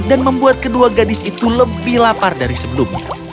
dan membuat kedua gadis itu lebih lapar dari sebelumnya